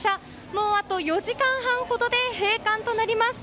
もうあと４時間半ほどで閉館となります。